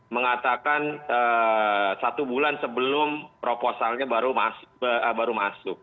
mengatakan satu bulan sebelum proposalnya baru masuk